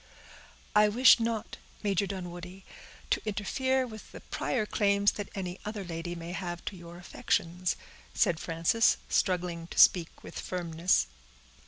"I wish not, Major Dunwoodie, to interfere with the prior claims that any other lady may have to your affections," said Frances, struggling to speak with firmness.